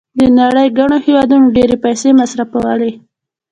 د نړۍ ګڼو هېوادونو ډېرې پیسې مصرفولې.